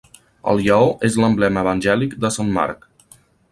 El lleó és l'emblema evangèlic de sant Marc.